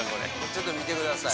ちょっと見てください。